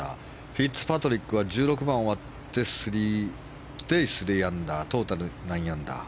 フィッツパトリックは１６番終わってトゥデー、３アンダートータル９アンダー。